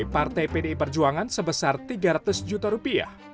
partai pdi perjuangan sebesar tiga ratus juta rupiah